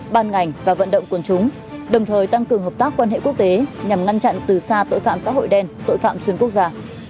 ban ngành và vận động quân chúng đồng thời tăng cường hợp tác quan hệ quốc tế nhằm ngăn chặn từ xa tội phạm xã hội đen tội phạm xuyên quốc gia